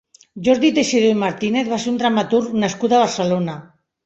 Jordi Teixidor i Martínez va ser un dramaturg nascut a Barcelona.